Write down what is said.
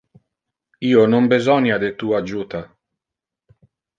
Io non besonia de tu adjuta.